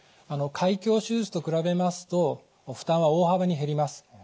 開胸手術と比べますと負担は大幅に減ります。